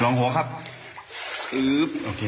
ลองหัวครับอื้อโอเค